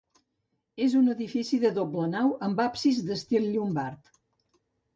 És un edifici de doble nau amb absis d'estil llombard.